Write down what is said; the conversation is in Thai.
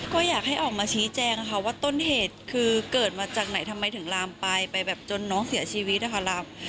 ก็อยากให้ออกมาชี้แจงค่ะว่าต้นเหตุคือเกิดมาจากไหนทำไมถึงลามไปไปแบบจนน้องเสียชีวิตนะคะ